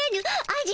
あ